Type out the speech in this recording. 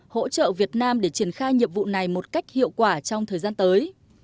hỗ trợ việt nam để triển khai nhiệm vụ này một cách hiệu quả trong thời gian tới